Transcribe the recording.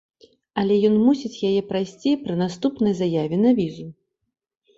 Але ён мусіць яе прайсці пры наступнай заяве на візу.